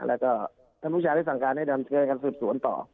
แล้วก็ถ้าผู้ชายได้สั่งการให้การสืบสวนต่อ